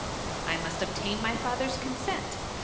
I must obtain my father's con* sent.